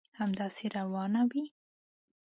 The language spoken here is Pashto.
همداسي روانه وي.